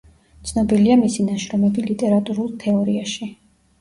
ცნობილია მისი ნაშრომები ლიტერატური თეორიაში.